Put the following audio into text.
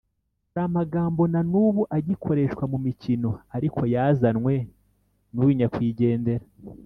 hari amagambo na nubu agikoreshwa mu mikino ariko yazanywe n’uyu nyakwigendera